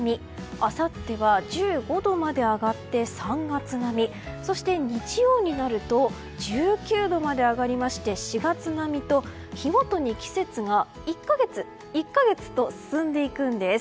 あさっては１５度まで上がって３月並みそして日曜になると１９度まで上がりまして４月並みと日ごとに季節が１か月、１か月と進んでいくんです。